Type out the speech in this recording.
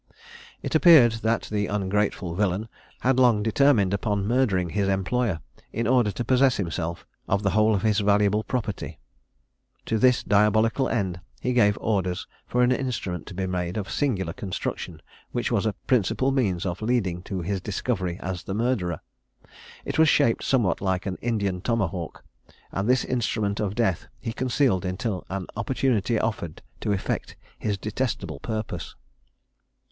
It appeared that the ungrateful villain had long determined upon murdering his employer, in order to possess himself of the whole of his valuable property. To this diabolical end, he gave orders for an instrument to be made of a singular construction, which was a principal means of leading to his discovery as the murderer. It was shaped somewhat like an Indian tomahawk; and this instrument of death he concealed until an opportunity offered to effect his detestable purpose.